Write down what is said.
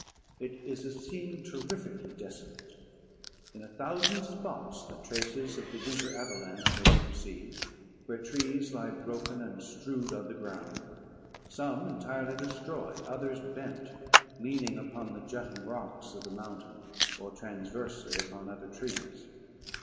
It is a scene terrifically desolate. In a thousand spots the traces of the winter avalanche may be perceived, where trees lie broken and strewed on the ground; some entirely destroyed, others bent, leaning upon the jutting rocks of the mountain, or transversely upon other trees.